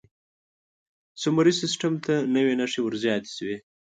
سومري سیستم ته نوې نښې ور زیاتې شوې.